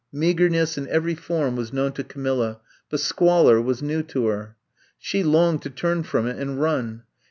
Meagemess in every form was known to Camilla, but squalor was new to her. She longed to turn from it and run.